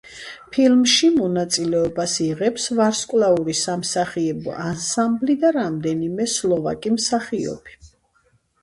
ფილმში მონაწილეობას იღებს ვარსკვლავური სამსახიობო ანსამბლი და რამდენიმე სლოვაკი მსახიობი.